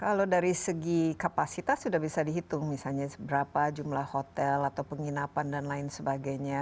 kalau dari segi kapasitas sudah bisa dihitung misalnya berapa jumlah hotel atau penginapan dan lain sebagainya